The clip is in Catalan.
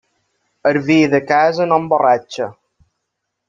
El vi de casa no emborratxa.